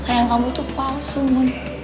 sayang kamu itu palsu